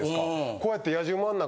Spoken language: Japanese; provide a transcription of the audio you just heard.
こうやって。